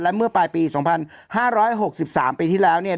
เมื่อปลายปี๒๕๖๓ปีที่แล้วเนี่ย